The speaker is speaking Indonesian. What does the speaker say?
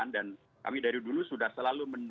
dan kami dari dulu sudah selalu